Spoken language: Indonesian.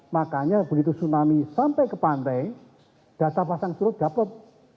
makanya begitu tsunami sampai ke pantai data pasang surut dapat